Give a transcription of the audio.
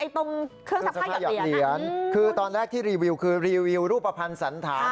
ตรงเครื่องขยับเหรียญคือตอนแรกที่รีวิวคือรีวิวรูปภัณฑ์สันธาร